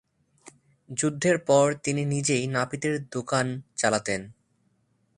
যুদ্ধের পর তিনি নিজেই নাপিতের দোকান চালাতেন।